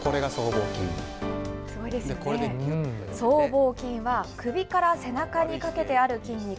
僧帽筋は首から背中にかけてある筋肉。